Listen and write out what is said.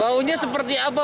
baunya seperti apa pak